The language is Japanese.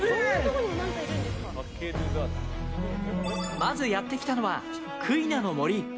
まずやってきたのはクイナの森。